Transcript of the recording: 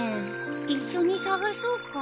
一緒に探そうか？